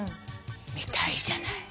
見たいじゃない。